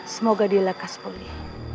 semoga dia lekas pulih